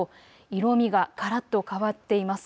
色みががらっと変わっています。